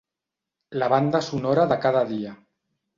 La banda sonora de cada dia.